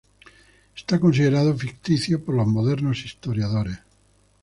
Está considerado ficticio por los modernos historiadores.